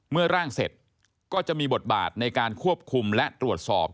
ร่างเสร็จก็จะมีบทบาทในการควบคุมและตรวจสอบ